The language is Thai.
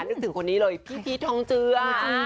นึกถึงคนนี้เลยพี่พีชทองเจือ